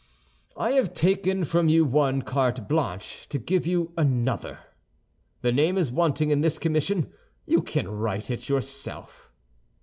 "I have taken from you one carte blanche to give you another. The name is wanting in this commission; you can write it yourself."